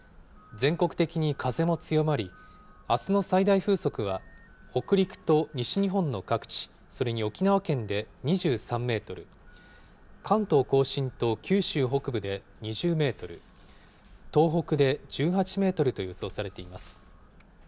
全国的に風も強まり、あすの最大風速は、北陸と西日本の各地、それに沖縄県で２３メートル、関東甲信と九州北部で２０メートル、東北で１８メートルと予想されています。